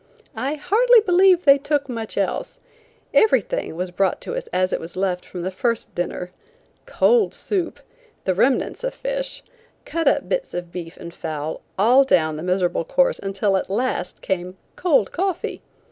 I hardly believe they took much else. Everything was brought to us as it was left from the first dinner–cold soup, the remnants of fish, cut up bits of beef and fowl–all down the miserable course until at last came cold coffee!